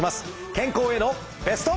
健康へのベスト。